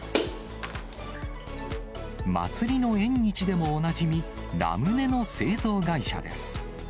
祭りの縁日でもおなじみ、ラムネの製造会社です。